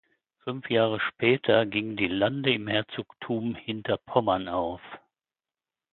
Fünf Jahre später gingen die Lande im Herzogtum Hinterpommern auf.